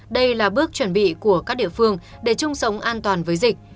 đây là bước chuẩn bị của các địa phương để chung sống an toàn với dịch